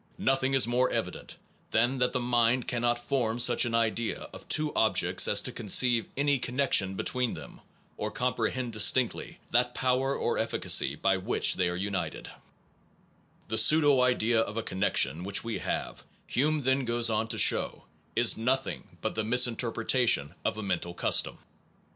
Nothing is more evident than that the mind cannot form such an idea of two objects as to conceive any connection between them, or comprehend dis tinctly that power or efficacy by which they are united/ The pseudo idea of a connection which we have, Hume then goes on to show, is nothing but the misinterpretation of a mental custom.